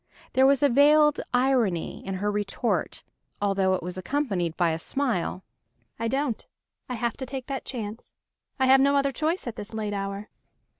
There was a veiled irony in her retort, although it was accompanied by a smile: "I don't. I have to take that chance. I have no other choice at this late hour."